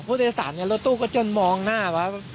ภูเศษฐานนี่รถตู้ก็จนมองหน้าว่า